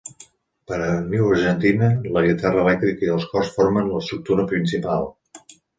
Per "A New Argentina", la guitarra elèctrica i els cors formen l'estructura principal.